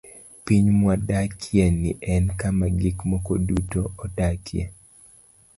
Piny mwadakieni en kama gik moko duto odakie.